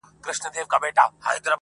o فقر کوه، خداى يادوه!